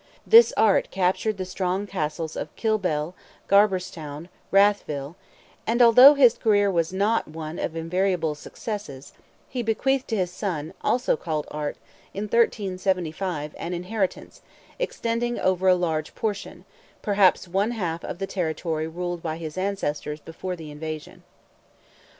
This Art captured the strong castles of Kilbelle, Galbarstown, Rathville, and although his career was not one of invariable success, he bequeathed to his son, also called Art, in 1375, an inheritance, extending over a large portion—perhaps one half—of the territory ruled by his ancestors before the invasion.